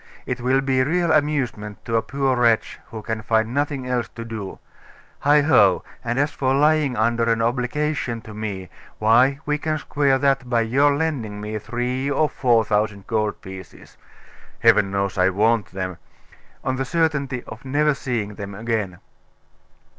It will be real amusement to a poor wretch who can find nothing else to do Heigho! And as for lying under an obligation to me, why we can square that by your lending me three or four thousand gold pieces Heaven knows I want them! on the certainty of never seeing them again.